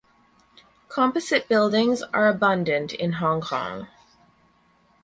Composite buildings are abundant in Hong Kong.